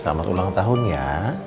selamat ulang tahun ya